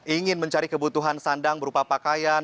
ingin mencari kebutuhan sandang berupa pakaian